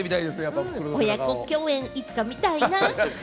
親子共演いつかみたいな。